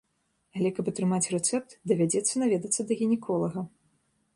Але каб атрымаць рэцэпт, давядзецца наведацца да гінеколага.